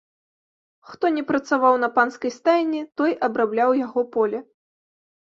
Хто не працаваў на панскай стайні, той абрабляў яго поле.